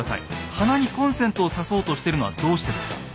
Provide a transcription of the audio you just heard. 鼻にコンセントをさそうとしてるのはどうしてですか？